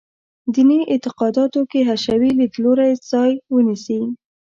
دیني اعتقاداتو کې حشوي لیدلوری ځای ونیسي.